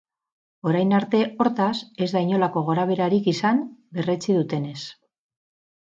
Orain arte, hortaz, ez da inolako gorabeherarik izan, berretsi dutenez.